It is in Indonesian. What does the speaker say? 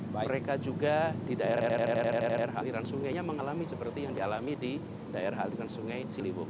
mereka juga di daerah aliran sungainya mengalami seperti yang dialami di daerah aliran sungai ciliwung